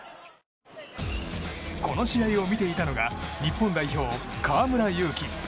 この試合を見ていたのが日本代表・河村勇輝。